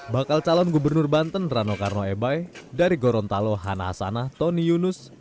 bakal calon gubernur banten rano karno ebai dari gorontalo hana hasanah tony yunus